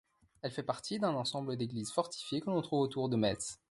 Elle fait partie d'un ensemble d’églises fortifiées que l'on trouve autour de Metz.